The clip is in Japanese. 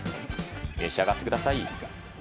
召し上がってください。